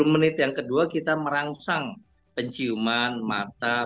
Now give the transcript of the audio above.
sepuluh menit yang kedua kita merangsang penciuman mata